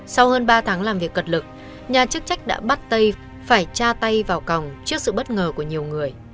sau hơn ba tháng làm việc cật lực nhà chức trách đã bắt tay phải tra tay vào còng trước sự bất ngờ của nhiều người